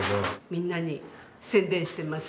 みんなに宣伝してます。